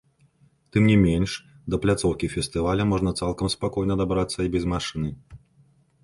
Тым не менш, да пляцоўкі фестываля можна цалкам спакойна дабрацца і без машыны.